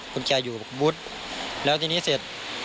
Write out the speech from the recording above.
คุณแกอยู่มุดแล้วทีนี้เสร็จ